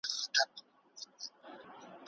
که په آنلاین ټولګي کې غږ خراب وي.